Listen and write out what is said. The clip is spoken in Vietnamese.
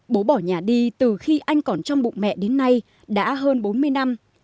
bố bỏ nhà đi từ khi anh còn trong bụng mẹ đến nay đã hơn bốn mươi năm